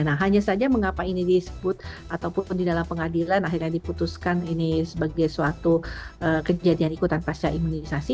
nah hanya saja mengapa ini disebut ataupun di dalam pengadilan akhirnya diputuskan ini sebagai suatu kejadian ikutan pasca imunisasi